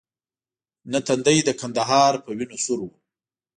نه تندی د کندهار په وینو سور وو.